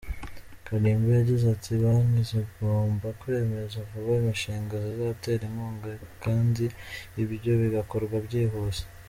Kanimba yagize ati : “Banki zigomba kwemeza vuba imishinga zizatera inkunga kandi ibyo bigakorwa byihuse”.